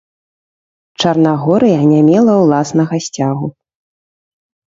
Чарнагорыя не мела ўласнага сцягу.